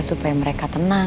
supaya mereka tenang